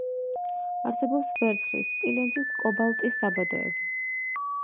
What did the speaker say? არსებობს ვერცხლის, სპილენძის, კობალტის საბადოები.